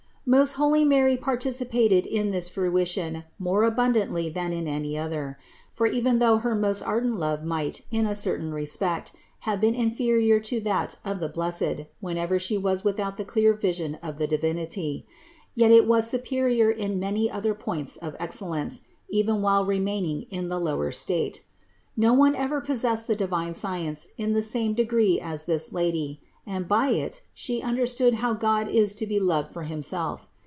166. Most holy Mary participated in this fruition more abundantly than in any other; for even though her most ardent love might, in a certain respect, have been inferior to that of the blessed whenever She was without the clear vision of the Divinity, yet it was superior in many other points of excellence, even while remaining in the lower state. No one ever possessed the divine science in the same degree as this Lady, and by it She under stood how God is to be loved for Himself.